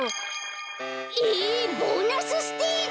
えボーナスステージ！？